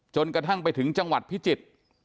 จนกระทั่งไปถึงจังหวัดพิจิตร